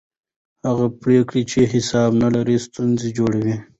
هغه پرېکړې چې حساب نه لري ستونزې جوړوي